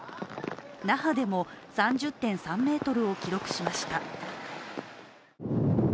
那覇でも３０．３メートルを記録しました。